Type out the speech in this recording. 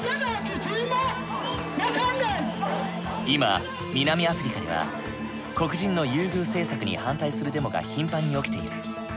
今南アフリカでは黒人の優遇政策に反対するデモが頻繁に起きている。